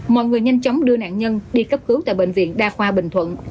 mọi người nhanh chóng đưa nạn nhân đi cấp cứu tại bệnh viện đa khoa bình thuận